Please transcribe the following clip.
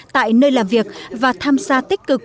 tại nơi làm việc và tham gia tích cực